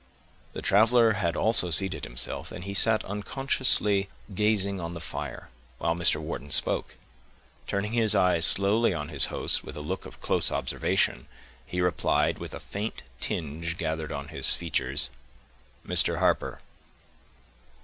The traveler had also seated himself, and he sat unconsciously gazing on the fire, while Mr. Wharton spoke; turning his eyes slowly on his host with a look of close observation, he replied, while a faint tinge gathered on his features,— "Mr. Harper."